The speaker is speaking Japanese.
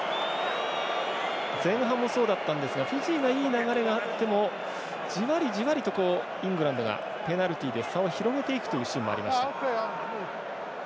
前半もそうだったんですがフィジーがいい流れがあってもじわりじわりとイングランドがペナルティで差を広げていくというシーンもありました。